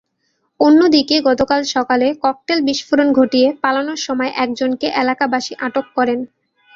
অন্যদিকে গতকাল সকালে ককটেল বিস্ফোরণ ঘটিয়ে পালানোর সময় একজনকে এলাকাবাসী আটক করেন।